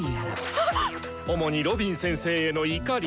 あ⁉主にロビン先生への怒り。